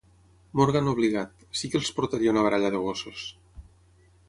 Morgan obligat: "Sí que els portaria a una baralla de gossos".